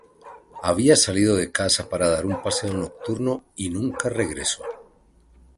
Había salido de casa para dar un paseo nocturno y nunca regresó.